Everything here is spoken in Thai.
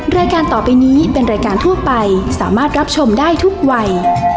รายการต่อไปนี้เป็นรายการทั่วไปสามารถรับชมได้ทุกวัย